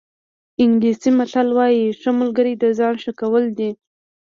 انګلیسي متل وایي ښه ملګری د ځان ښه کول دي.